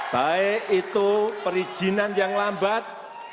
baik itu perizinan yang lambat